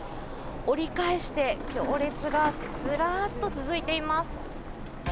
折り返して行列がずらっと続いています。